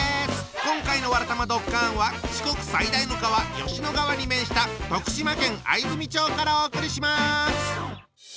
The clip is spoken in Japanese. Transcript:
今回の「わらたまドッカン」は四国最大の川吉野川に面した徳島県藍住町からお送りします！